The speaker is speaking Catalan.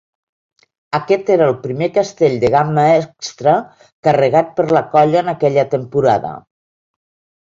Aquest era el primer castell de gamma extra carregat per la colla en aquella temporada.